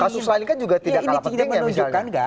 kasus lain kan juga tidak kalah penting ya misalnya